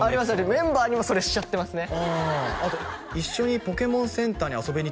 メンバーにもそれしちゃってますね